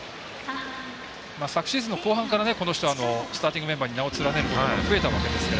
昨シーズンの後半からこの人はスターティングメンバーに名を連ねることが増えたんですが。